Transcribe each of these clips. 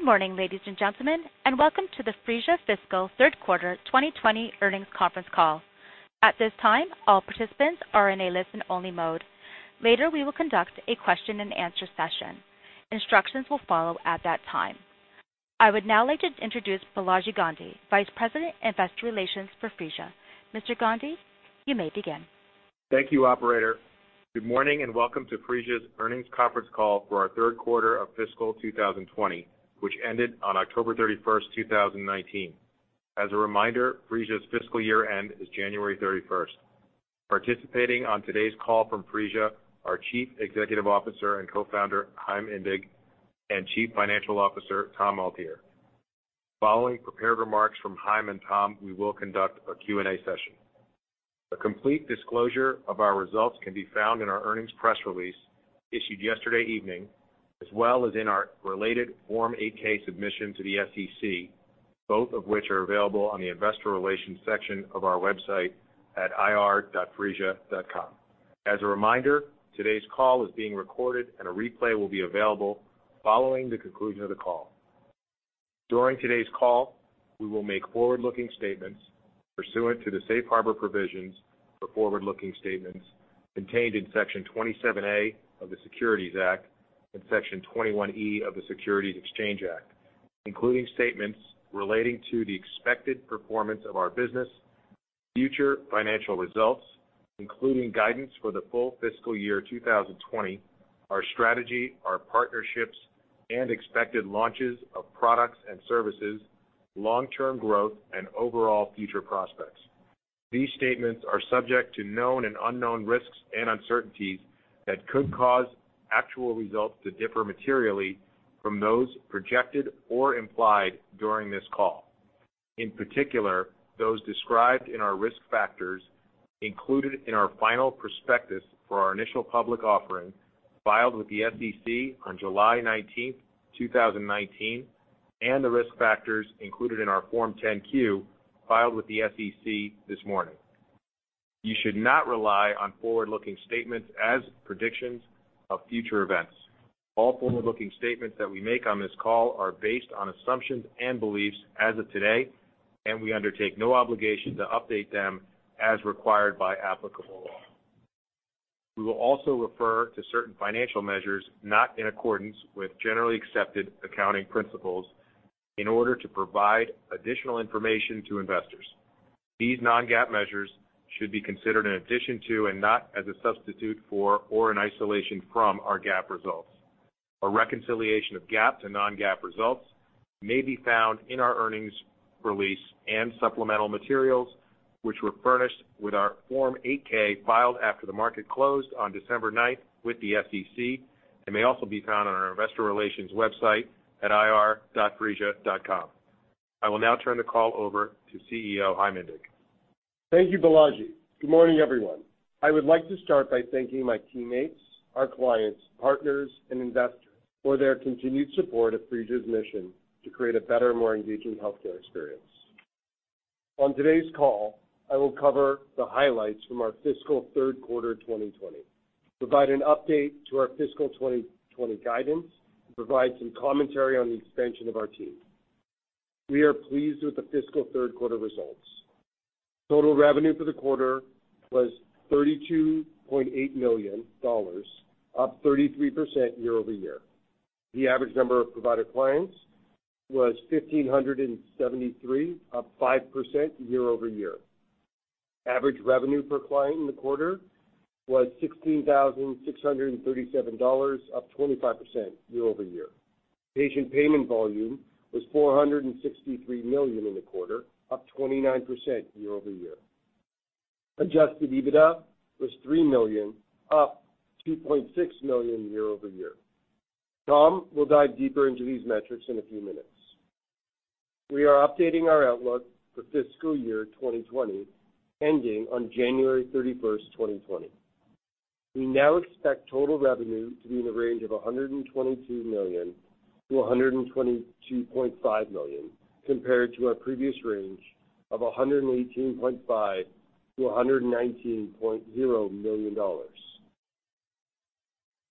Good morning, ladies and gentlemen, and welcome to the Phreesia fiscal third quarter 2020 earnings conference call. At this time, all participants are in a listen-only mode. Later, we will conduct a question and answer session. Instructions will follow at that time. I would now like to introduce Balaji Gandhi, Vice President of Investor Relations for Phreesia. Mr. Gandhi, you may begin. Thank you, operator. Good morning and welcome to Phreesia's earnings conference call for our third quarter of fiscal 2020, which ended on October 31st, 2019. As a reminder, Phreesia's fiscal year-end is January 31st. Participating on today's call from Phreesia are Chief Executive Officer and Co-founder, Chaim Indig, and Chief Financial Officer, Tom Altier. Following prepared remarks from Chaim and Tom, we will conduct a Q&A session. A complete disclosure of our results can be found in our earnings press release issued yesterday evening, as well as in our related Form 8-K submission to the SEC, both of which are available on the investor relations section of our website at ir.phreesia.com. As a reminder, today's call is being recorded, and a replay will be available following the conclusion of the call. During today's call, we will make forward-looking statements pursuant to the safe harbor provisions for forward-looking statements contained in Section 27A of the Securities Act and Section 21E of the Securities Exchange Act, including statements relating to the expected performance of our business, future financial results, including guidance for the full fiscal year 2020, our strategy, our partnerships, and expected launches of products and services, long-term growth, and overall future prospects. These statements are subject to known and unknown risks and uncertainties that could cause actual results to differ materially from those projected or implied during this call. In particular, those described in our risk factors included in our final prospectus for our initial public offering filed with the SEC on July 19th, 2019, and the risk factors included in our Form 10-Q filed with the SEC this morning. You should not rely on forward-looking statements as predictions of future events. All forward-looking statements that we make on this call are based on assumptions and beliefs as of today, and we undertake no obligation to update them as required by applicable law. We will also refer to certain financial measures not in accordance with Generally Accepted Accounting Principles in order to provide additional information to investors. These non-GAAP measures should be considered in addition to and not as a substitute for or an isolation from our GAAP results. A reconciliation of GAAP to non-GAAP results may be found in our earnings release and supplemental materials, which were furnished with our Form 8-K filed after the market closed on December 9th with the SEC and may also be found on our investor relations website at ir.phreesia.com. I will now turn the call over to CEO Chaim Indig. Thank you, Balaji. Good morning, everyone. I would like to start by thanking my teammates, our clients, partners, and investors for their continued support of Phreesia's mission to create a better, more engaging healthcare experience. On today's call, I will cover the highlights from our fiscal third quarter 2020, provide an update to our fiscal 2020 guidance, and provide some commentary on the expansion of our team. We are pleased with the fiscal third quarter results. Total revenue for the quarter was $32.8 million, up 33% year-over-year. The average number of provider clients was 1,573, up 5% year-over-year. Average revenue per client in the quarter was $16,637, up 25% year-over-year. Patient payment volume was $463 million in the quarter, up 29% year-over-year. Adjusted EBITDA was $3 million, up $2.6 million year-over-year. Tom will dive deeper into these metrics in a few minutes. We are updating our outlook for fiscal year 2020, ending on January 31st, 2020. We now expect total revenue to be in the range of $122 million-$122.5 million, compared to our previous range of $118.5 million-$119.0 million.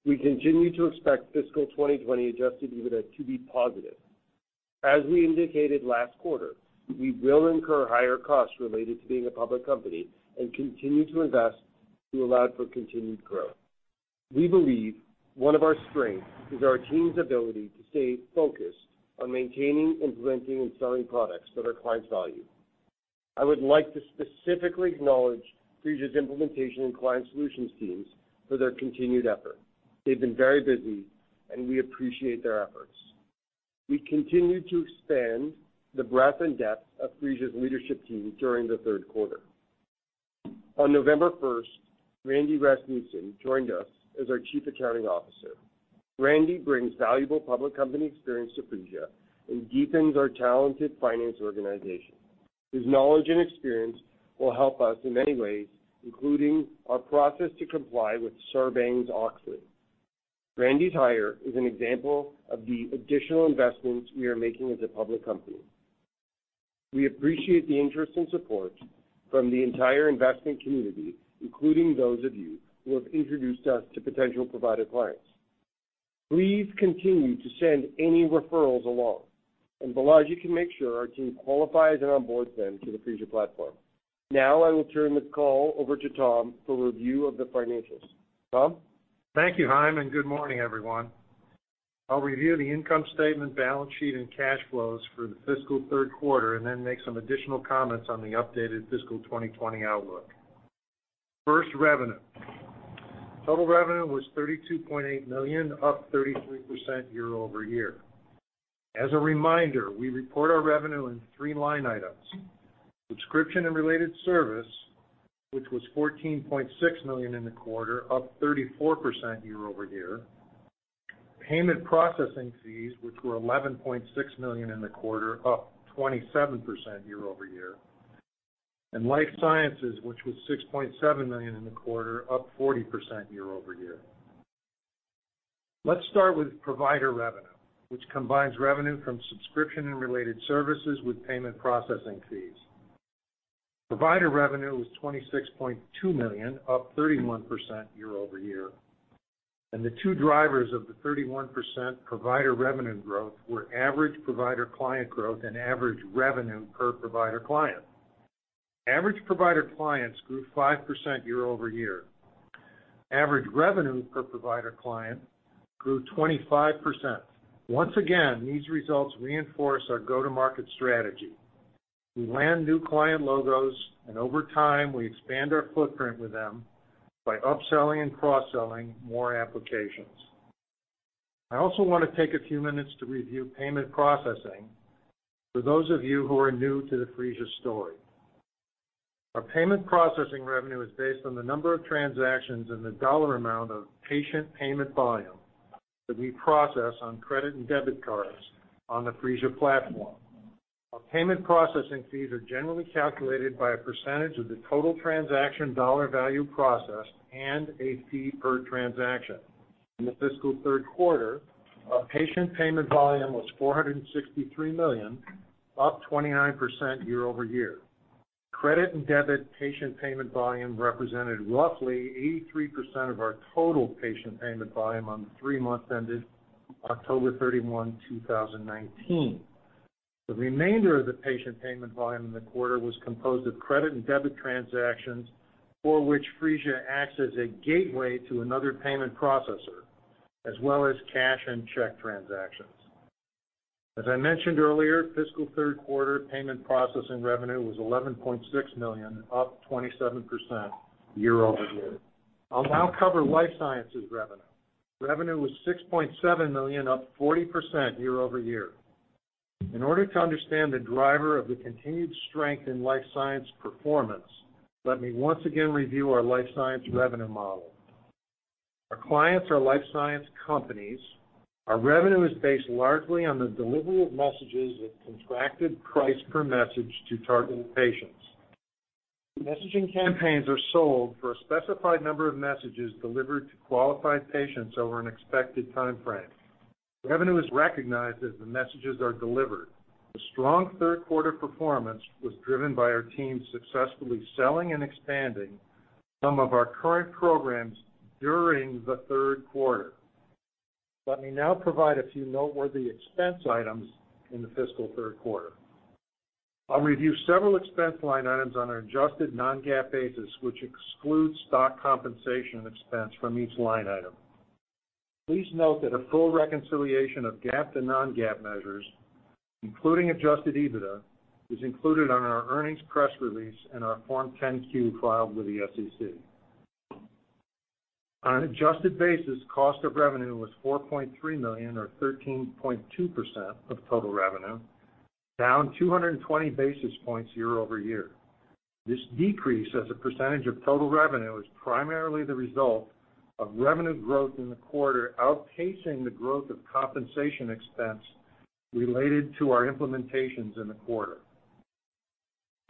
We continue to expect fiscal 2020 Adjusted EBITDA to be positive. As we indicated last quarter, we will incur higher costs related to being a public company and continue to invest to allow for continued growth. We believe one of our strengths is our team's ability to stay focused on maintaining, implementing, and selling products that our clients value. I would like to specifically acknowledge Phreesia's implementation and client solutions teams for their continued effort. They've been very busy, and we appreciate their efforts. We continued to expand the breadth and depth of Phreesia's leadership team during the third quarter. On November 1st, Randy Rasmussen joined us as our Chief Accounting Officer. Randy brings valuable public company experience to Phreesia and deepens our talented finance organization. His knowledge and experience will help us in many ways, including our process to comply with Sarbanes-Oxley. Randy's hire is an example of the additional investments we are making as a public company. We appreciate the interest and support from the entire investment community, including those of you who have introduced us to potential provider clients. Please continue to send any referrals along, and Balaji can make sure our team qualifies and onboards them to the Phreesia platform. Now I will turn this call over to Tom for review of the financials. Tom? Thank you, Chaim, and good morning, everyone. I'll review the income statement, balance sheet, and cash flows for the fiscal third quarter, and then make some additional comments on the updated fiscal 2020 outlook. First, revenue. Total revenue was $32.8 million, up 33% year-over-year. As a reminder, we report our revenue in three line items. Subscription and related service, which was $14.6 million in the quarter, up 34% year-over-year. Payment processing fees, which were $11.6 million in the quarter, up 27% year-over-year. Life sciences, which was $6.7 million in the quarter, up 40% year-over-year. Let's start with provider revenue, which combines revenue from subscription and related services with payment processing fees. Provider revenue was $26.2 million, up 31% year-over-year. The two drivers of the 31% provider revenue growth were average provider client growth and average revenue per provider client. Average provider clients grew 5% year-over-year. Average revenue per provider client grew 25%. Once again, these results reinforce our go-to-market strategy. We land new client logos, and over time, we expand our footprint with them by upselling and cross-selling more applications. I also want to take a few minutes to review payment processing for those of you who are new to the Phreesia story. Our payment processing revenue is based on the number of transactions and the dollar amount of patient payment volume that we process on credit and debit cards on the Phreesia platform. Our payment processing fees are generally calculated by a percentage of the total transaction dollar value processed and a fee per transaction. In the fiscal third quarter, our patient payment volume was $463 million, up 29% year-over-year. Credit and debit patient payment volume represented roughly 83% of our total patient payment volume on the three months ended October 31, 2019. The remainder of the patient payment volume in the quarter was composed of credit and debit transactions for which Phreesia acts as a gateway to another payment processor, as well as cash and check transactions. As I mentioned earlier, fiscal third quarter payment processing revenue was $11.6 million, up 27% year-over-year. I'll now cover life sciences revenue. Revenue was $6.7 million, up 40% year-over-year. In order to understand the driver of the continued strength in life science performance, let me once again review our life science revenue model. Our clients are life science companies. Our revenue is based largely on the delivery of messages at contracted price per message to targeted patients. Messaging campaigns are sold for a specified number of messages delivered to qualified patients over an expected timeframe. Revenue is recognized as the messages are delivered. The strong third quarter performance was driven by our team successfully selling and expanding some of our current programs during the third quarter. Let me now provide a few noteworthy expense items in the fiscal third quarter. I'll review several expense line items on an adjusted non-GAAP basis, which excludes stock compensation expense from each line item. Please note that a full reconciliation of GAAP to non-GAAP measures, including Adjusted EBITDA, is included on our earnings press release and our Form 10-Q filed with the SEC. On an adjusted basis, cost of revenue was $4.3 million, or 13.2% of total revenue, down 220 basis points year-over-year. This decrease as a percentage of total revenue is primarily the result of revenue growth in the quarter outpacing the growth of compensation expense related to our implementations in the quarter.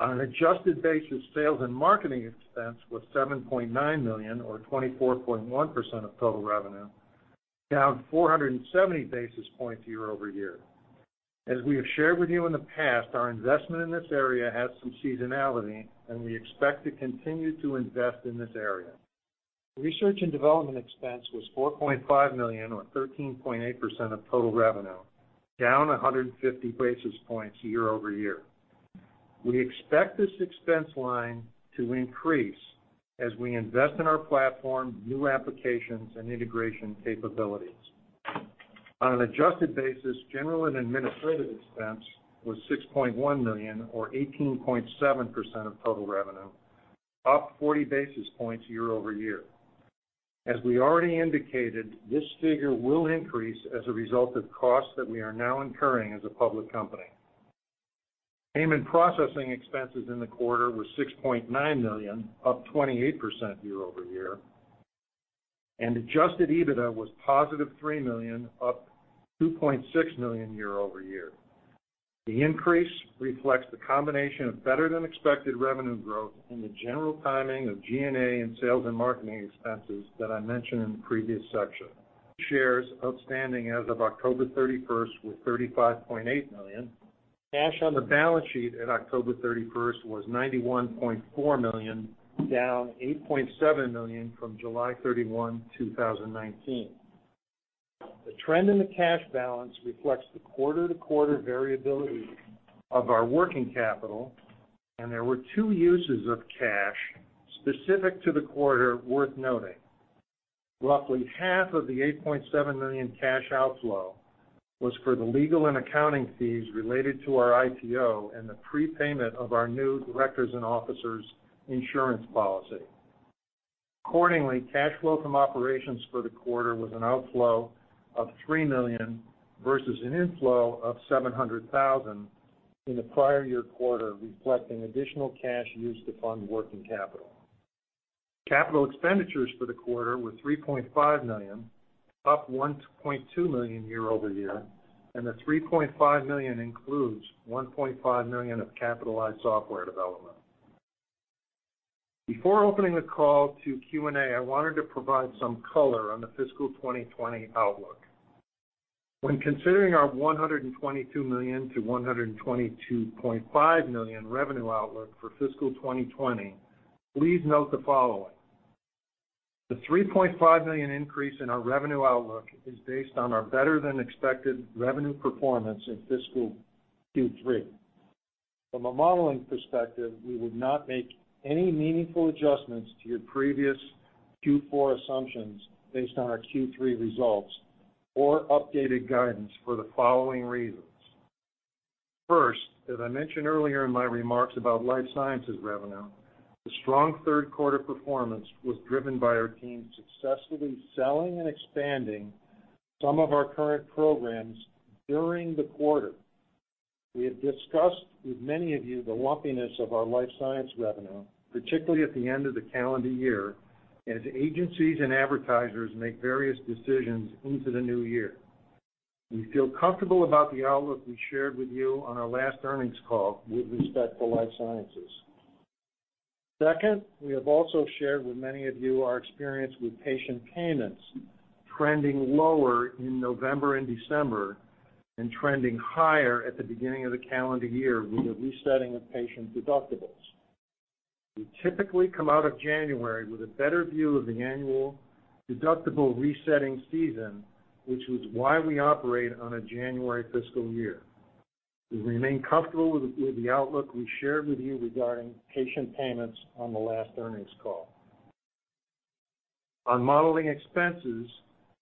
On an adjusted basis, sales and marketing expense was $7.9 million, or 24.1% of total revenue, down 470 basis points year-over-year. As we have shared with you in the past, our investment in this area has some seasonality, and we expect to continue to invest in this area. Research and development expense was $4.5 million, or 13.8% of total revenue, down 150 basis points year-over-year. We expect this expense line to increase as we invest in our platform, new applications, and integration capabilities. On an Adjusted basis, general and administrative expense was $6.1 million, or 18.7% of total revenue, up 40 basis points year-over-year. As we already indicated, this figure will increase as a result of costs that we are now incurring as a public company. Payment processing expenses in the quarter were $6.9 million, up 28% year-over-year. Adjusted EBITDA was positive $3 million, up $2.6 million year-over-year. The increase reflects the combination of better than expected revenue growth and the general timing of G&A and sales and marketing expenses that I mentioned in the previous section. Shares outstanding as of October 31st were 35.8 million. Cash on the balance sheet at October 31st was $91.4 million, down $8.7 million from July 31, 2019. The trend in the cash balance reflects the quarter-to-quarter variability of our working capital, and there were two uses of cash specific to the quarter worth noting. Roughly half of the $8.7 million cash outflow was for the legal and accounting fees related to our IPO and the prepayment of our new directors and officers insurance policy. Accordingly, cash flow from operations for the quarter was an outflow of $3 million versus an inflow of $700,000 in the prior year quarter, reflecting additional cash used to fund working capital. Capital expenditures for the quarter were $3.5 million, up $1.2 million year-over-year, and the $3.5 million includes $1.5 million of capitalized software development. Before opening the call to Q&A, I wanted to provide some color on the fiscal 2020 outlook. When considering our $122 million-$122.5 million revenue outlook for fiscal 2020, please note the following. The $3.5 million increase in our revenue outlook is based on our better-than-expected revenue performance in fiscal Q3. From a modeling perspective, we would not make any meaningful adjustments to your previous Q4 assumptions based on our Q3 results or updated guidance for the following reasons. First, as I mentioned earlier in my remarks about life sciences revenue, the strong third quarter performance was driven by our team successfully selling and expanding some of our current programs during the quarter. We have discussed with many of you the lumpiness of our life sciences revenue, particularly at the end of the calendar year, as agencies and advertisers make various decisions into the new year. We feel comfortable about the outlook we shared with you on our last earnings call with respect to life sciences. Second, we have also shared with many of you our experience with patient payments trending lower in November and December and trending higher at the beginning of the calendar year with the resetting of patient deductibles. We typically come out of January with a better view of the annual deductible resetting season, which was why we operate on a January fiscal year. We remain comfortable with the outlook we shared with you regarding patient payments on the last earnings call. On modeling expenses,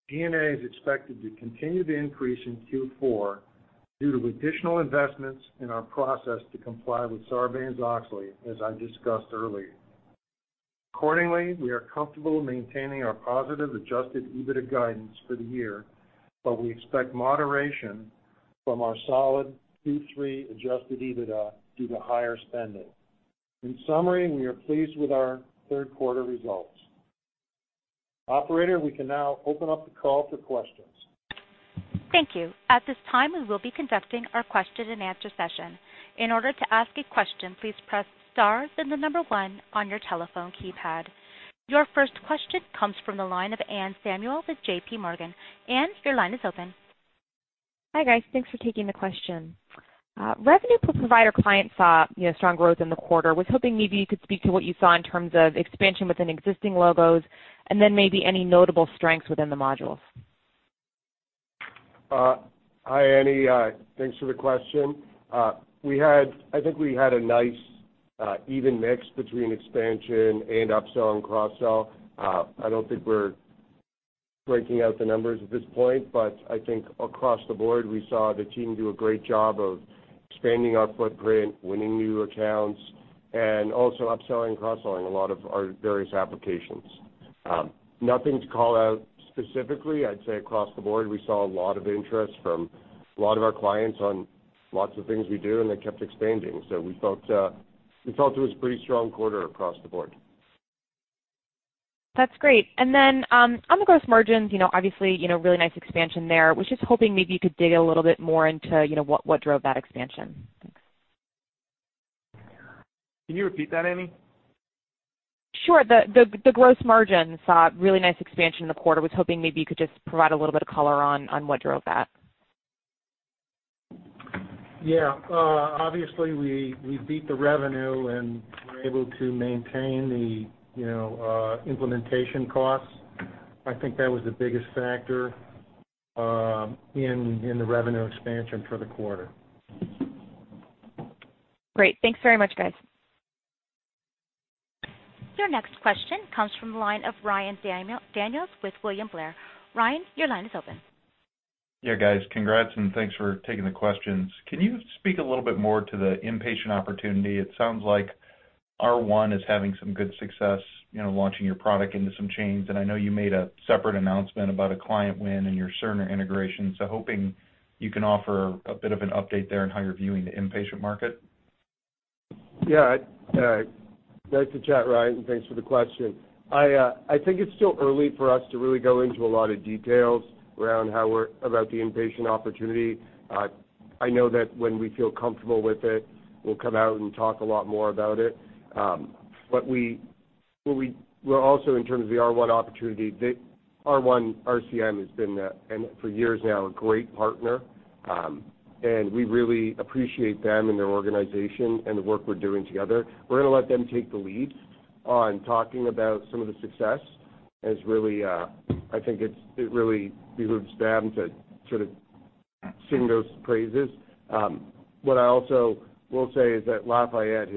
G&A is expected to continue to increase in Q4 due to additional investments in our process to comply with Sarbanes-Oxley, as I discussed earlier. Accordingly, we are comfortable maintaining our positive Adjusted EBITDA guidance for the year, but we expect moderation from our solid Q3 Adjusted EBITDA due to higher spending. In summary, we are pleased with our third quarter results. Operator, we can now open up the call to questions. Thank you. At this time, we will be conducting our question-and-answer session. In order to ask a question, please press star then the number one on your telephone keypad. Your first question comes from the line of Anne Samuel with JPMorgan. Anne, your line is open. Hi, guys. Thanks for taking the question. Revenue per provider client saw strong growth in the quarter. I was hoping maybe you could speak to what you saw in terms of expansion within existing logos and then maybe any notable strengths within the modules. Hi, Anne. Thanks for the question. I don't think we're breaking out the numbers at this point, but I think across the board, we saw the team do a great job of expanding our footprint, winning new accounts, and also upselling and cross-selling a lot of our various applications. Nothing to call out specifically. I'd say across the board, we saw a lot of interest from a lot of our clients on lots of things we do, and they kept expanding. We felt it was a pretty strong quarter across the board. That's great. On the gross margins, obviously, really nice expansion there. I was just hoping maybe you could dig a little bit more into what drove that expansion? Thanks. Can you repeat that, Anne? Sure. The gross margin saw a really nice expansion in the quarter. I was hoping maybe you could just provide a little bit of color on what drove that? Yeah. We beat the revenue and were able to maintain the implementation costs. I think that was the biggest factor in the revenue expansion for the quarter. Great. Thanks very much, guys. Your next question comes from the line of Ryan Daniels with William Blair. Ryan, your line is open. Yeah, guys. Congrats and thanks for taking the questions. Can you speak a little bit more to the inpatient opportunity? It sounds like R1 is having some good success launching your product into some chains, and I know you made a separate announcement about a client win in your Cerner integration, so hoping you can offer a bit of an update there on how you're viewing the inpatient market. Yeah. Nice to chat, Ryan, and thanks for the question. I think it's still early for us to really go into a lot of details around how we're about the inpatient opportunity. I know that when we feel comfortable with it, we'll come out and talk a lot more about it. What we will also, in terms of the R1 opportunity, R1 RCM has been, for years now, a great partner. We really appreciate them and their organization and the work we're doing together. We're going to let them take the lead on talking about some of the success, as I think it really behooves them to sing those praises. What I also will say is that Lafayette,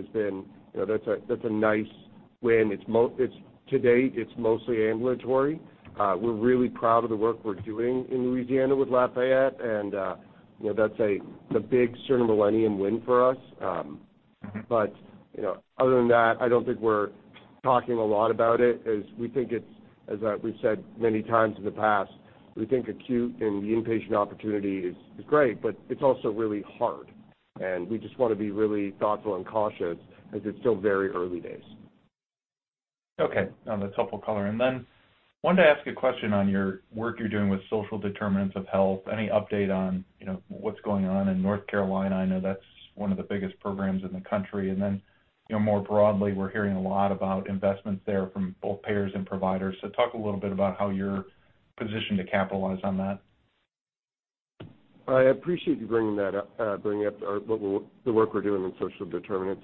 that's a nice win. To date, it's mostly ambulatory. We're really proud of the work we're doing in Louisiana with Lafayette, and that's a big Cerner Millennium win for us. Other than that, I don't think we're talking a lot about it, as we've said many times in the past, we think acute and the inpatient opportunity is great, but it's also really hard, and we just want to be really thoughtful and cautious, as it's still very early days. Okay. No, that's helpful color. Wanted to ask a question on your work you're doing with social determinants of health. Any update on what's going on in North Carolina? I know that's one of the biggest programs in the country. More broadly, we're hearing a lot about investments there from both payers and providers. Talk a little bit about how you're positioned to capitalize on that. I appreciate you bringing up the work we're doing on social determinants.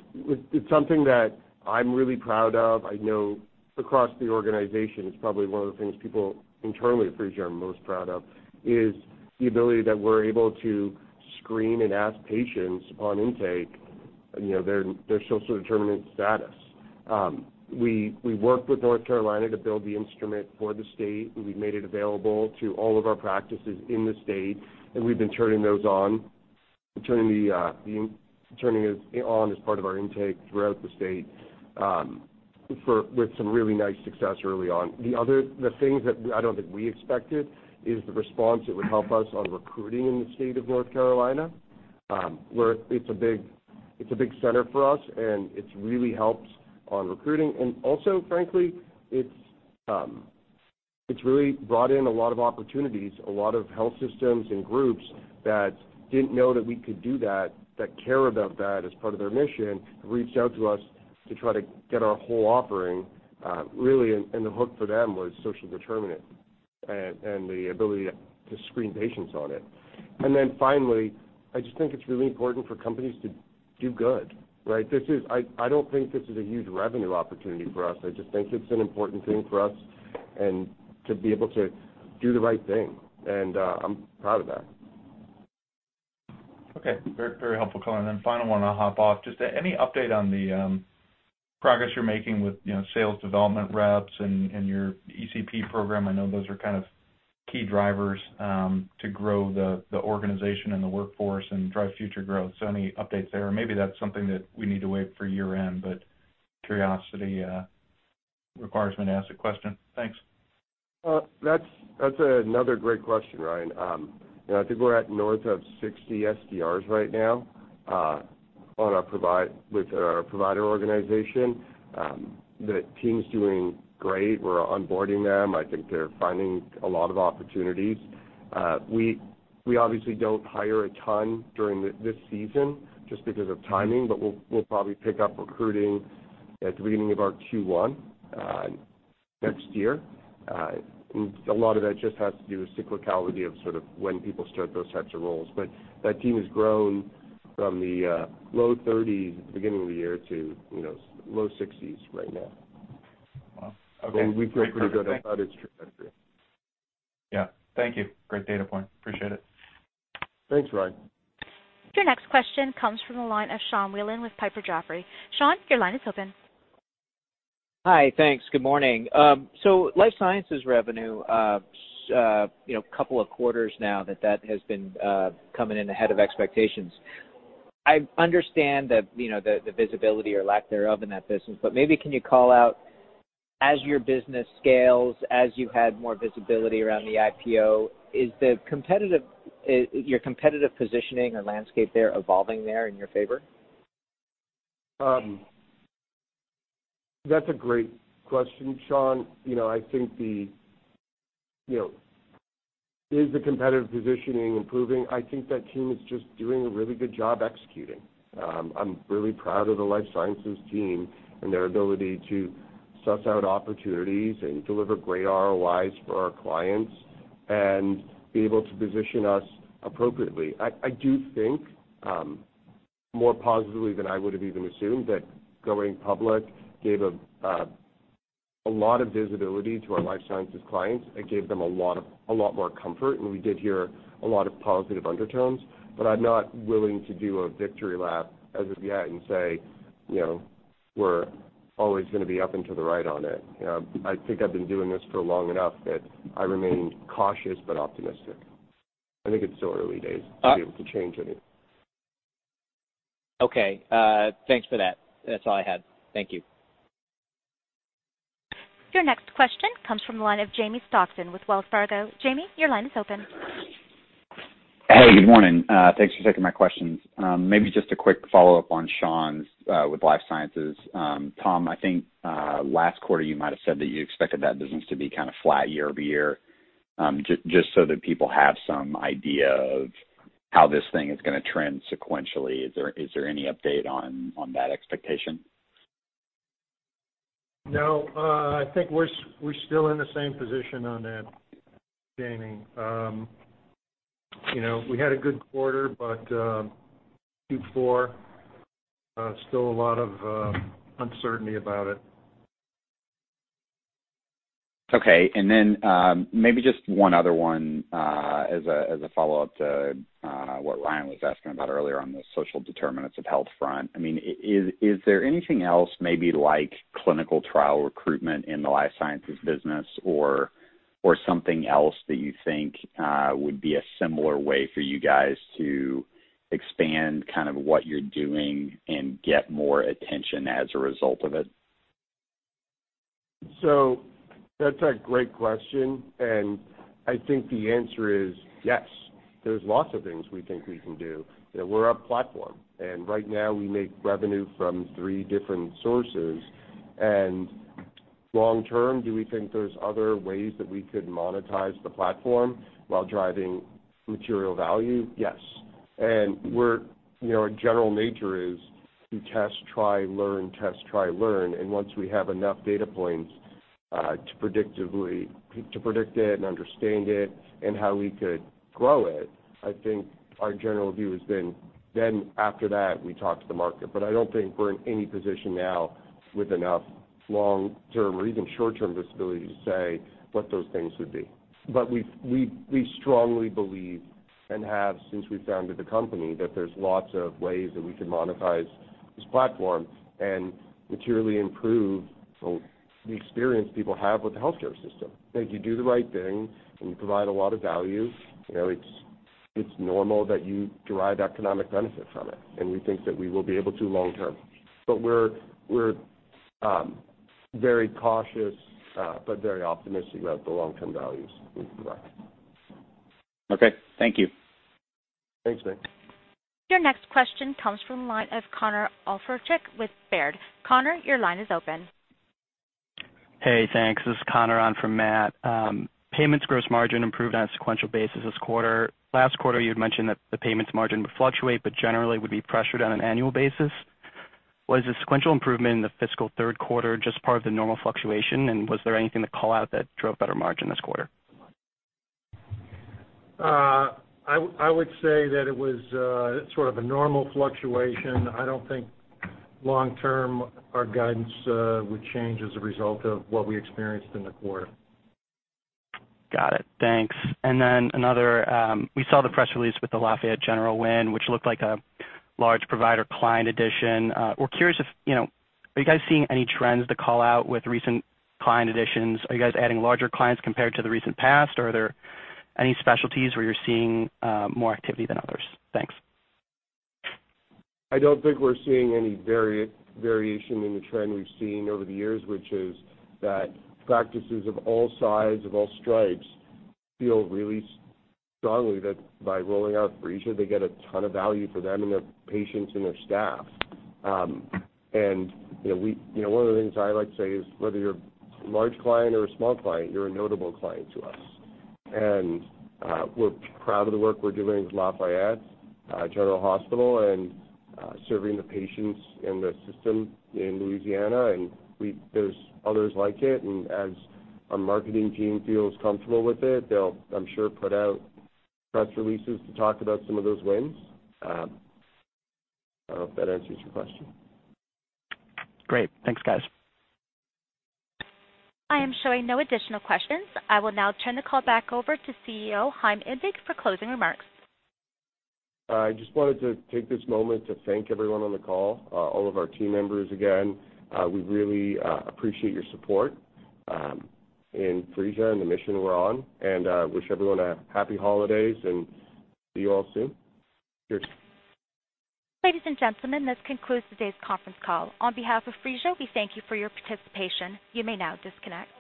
It's something that I'm really proud of. I know across the organization, it's probably one of the things people internally at Phreesia are most proud of, is the ability that we're able to screen and ask patients on intake, their social determinant status. We worked with North Carolina to build the instrument for the state, and we've made it available to all of our practices in the state, and we've been turning it on as part of our intake throughout the state, with some really nice success early on. The things that I don't think we expected is the response it would help us on recruiting in the State of North Carolina, where it's a big center for us, and it's really helped on recruiting. Also, frankly, it's really brought in a lot of opportunities, a lot of health systems and groups that didn't know that we could do that care about that as part of their mission, reached out to us to try to get our whole offering. Really, the hook for them was social determinants and the ability to screen patients on it. Finally, I just think it's really important for companies to do good, right? I don't think this is a huge revenue opportunity for us. I just think it's an important thing for us, and to be able to do the right thing. I'm proud of that. Okay. Very helpful color. Final one, and I'll hop off. Just any update on the progress you're making with sales development reps and your ECP program? I know those are kind of key drivers to grow the organization and the workforce and drive future growth. Any updates there? Maybe that's something that we need to wait for year-end, but curiosity requires me to ask the question. Thanks. That's another great question, Ryan. I think we're at north of 60 SDRs right now with our provider organization. The team's doing great. We're onboarding them. I think they're finding a lot of opportunities. We obviously don't hire a ton during this season just because of timing, but we'll probably pick up recruiting at the beginning of our Q1 next year. A lot of that just has to do with cyclicality of when people start those types of roles. That team has grown from the low 30s at the beginning of the year to low 60s right now. Wow. Okay. We feel pretty good about its trajectory. Yeah. Thank you. Great data point. Appreciate it. Thanks, Ryan. Your next question comes from the line of Sean Wieland with Piper Sandler. Sean, your line is open. Hi. Thanks. Good morning. Life sciences revenue, couple of quarters now that has been coming in ahead of expectations. I understand the visibility or lack thereof in that business, but maybe can you call out as your business scales, as you've had more visibility around the IPO, is your competitive positioning or landscape there evolving there in your favor? That's a great question, Sean. Is the competitive positioning improving? I think that team is just doing a really good job executing. I'm really proud of the life sciences team and their ability to suss out opportunities and deliver great ROIs for our clients and be able to position us appropriately. I do think, more positively than I would've even assumed, that going public gave a lot of visibility to our life sciences clients. It gave them a lot more comfort. We did hear a lot of positive undertones. I'm not willing to do a victory lap as of yet and say we're always going to be up and to the right on it. I think I've been doing this for long enough that I remain cautious but optimistic. I think it's still early days to be able to change any- Thanks for that. That's all I had. Thank you. Your next question comes from the line of Jamie Stockton with Wells Fargo. Jamie, your line is open. Hey, good morning. Thanks for taking my questions. Maybe just a quick follow-up on Sean's with life sciences. Tom, I think, last quarter, you might've said that you expected that business to be kind of flat year-over-year. Just so that people have some idea of how this thing is going to trend sequentially. Is there any update on that expectation? No. I think we're still in the same position on that, Jamie. We had a good quarter, but Q4, still a lot of uncertainty about it. Okay. Maybe just one other one as a follow-up to what Ryan was asking about earlier on the social determinants of health front. Is there anything else maybe like clinical trial recruitment in the life sciences business or something else that you think would be a similar way for you guys to expand what you're doing and get more attention as a result of it? That's a great question, and I think the answer is yes. There's lots of things we think we can do. We're a platform, and right now we make revenue from three different sources. Long term, do we think there's other ways that we could monetize the platform while driving material value? Yes. Our general nature is to test, try, learn. Test, try, learn. Once we have enough data points to predict it and understand it and how we could grow it, I think our general view has been then after that, we talk to the market. I don't think we're in any position now with enough long-term or even short-term visibility to say what those things would be. We strongly believe, and have since we founded the company, that there's lots of ways that we can monetize this platform and materially improve the experience people have with the healthcare system. If you do the right thing and you provide a lot of value, it's normal that you derive economic benefit from it, and we think that we will be able to long term. We're very cautious, but very optimistic about the long-term values we can provide. Okay. Thank you. Thanks, Nick. Your next question comes from the line of Connor O'Loughlin with Baird. Connor, your line is open. Hey, thanks. This is Connor on for Matt. Payments gross margin improved on a sequential basis this quarter. Last quarter, you had mentioned that the payments margin would fluctuate but generally would be pressured on an annual basis. Was the sequential improvement in the fiscal third quarter just part of the normal fluctuation, and was there anything to call out that drove better margin this quarter? I would say that it was sort of a normal fluctuation. I don't think long term our guidance would change as a result of what we experienced in the quarter. Got it. Thanks. We saw the press release with the Lafayette General win, which looked like a large provider client addition. We're curious, are you guys seeing any trends to call out with recent client additions? Are you guys adding larger clients compared to the recent past, or are there any specialties where you're seeing more activity than others? Thanks. I don't think we're seeing any variation in the trend we've seen over the years, which is that practices of all sides, of all stripes feel really strongly that by rolling out Phreesia, they get a ton of value for them and their patients and their staff. One of the things I like to say is, whether you're a large client or a small client, you're a notable client to us. We're proud of the work we're doing with Lafayette General Health and serving the patients in the system in Louisiana, and there's others like it, and as our marketing team feels comfortable with it, they'll, I'm sure, put out press releases to talk about some of those wins. I hope that answers your question. Great. Thanks, guys. I am showing no additional questions. I will now turn the call back over to CEO, Chaim Indig, for closing remarks. I just wanted to take this moment to thank everyone on the call, all of our team members, again. We really appreciate your support in Phreesia and the mission we're on, and wish everyone a happy holidays and see you all soon. Cheers. Ladies and gentlemen, this concludes today's conference call. On behalf of Phreesia, we thank you for your participation. You may now disconnect.